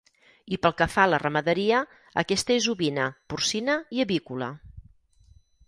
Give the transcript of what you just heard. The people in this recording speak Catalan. I pel que fa a la ramaderia, aquesta és ovina, porcina i avícola.